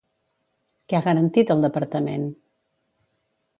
Què ha garantit el departament?